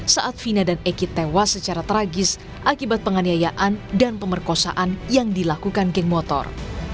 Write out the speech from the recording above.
saat vina dan eki tewas secara tragis akibat penganiayaan dan pemerkosaan yang dilakukan geng motor